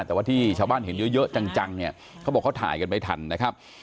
แต่ว่าที่ชาวบ้านเห็นเยอะจังเนี่ยเขาบอกเขาถ่ายกันไม่ทันนะครับ